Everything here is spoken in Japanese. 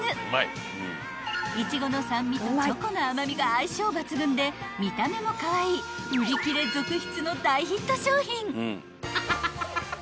［イチゴの酸味とチョコの甘味が相性抜群で見た目もカワイイ売り切れ続出の大ヒット商品］